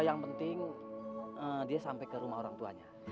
yang penting dia sampai ke rumah orang tuanya